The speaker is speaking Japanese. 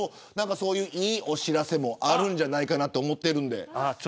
いいお知らせもあるんじゃないかなと思ってるんで。